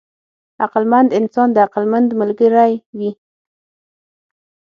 عقلمند انسان د عقلمند ملګری وي.